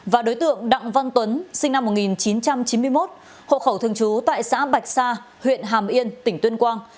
và đối tượng đặng văn tuấn sinh năm một nghìn chín trăm chín mươi một hộ khẩu thường trú tại xã bạch sa huyện hàm yên tỉnh tuyên quang